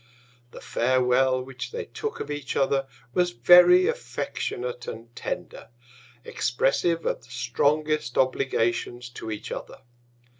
The Farewel which they took of each other, was very affectionate and tender, expressive of the strongest Obligations to each other.